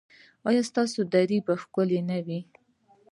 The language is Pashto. ایا ستاسو درې به ښکلې نه وي؟